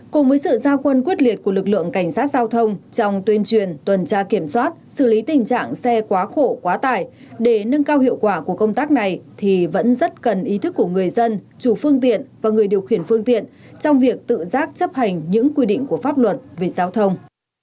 cùng với sự gia quân quyết liệt của lực lượng cảnh sát giao thông trong tuyên truyền tuần tra kiểm soát xử lý tình trạng xe quá khổ quá tải để nâng cao hiệu quả của công tác này thì vẫn rất cần ý thức của người dân chủ phương tiện và người điều khiển phương tiện trong việc tự giác chấp hành những quy định của pháp luật về giao thông